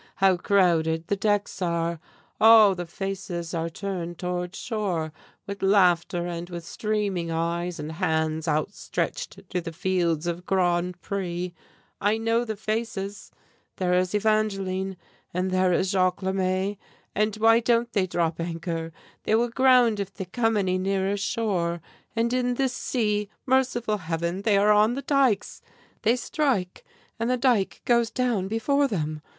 How crowded the decks are! All the faces are turned toward shore, with laughter and with streaming eyes, and hands outstretched to the fields of Grand Pré. I know the faces. There is Evangeline, and there is Jaques Le May, but why don't they drop anchor? They will ground if they come any nearer shore! And in this sea Merciful Heaven, they are on the dikes! They strike and the dike goes down before them!